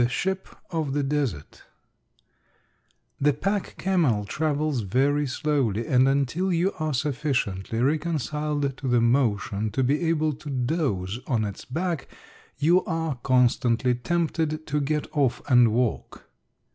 THE SHIP OF THE DESERT. The pack camel travels very slowly, and until you are sufficiently reconciled to the motion to be able to doze on its back, you are constantly tempted to get off and walk.